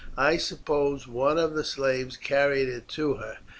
I suppose one of the slaves carried it to her.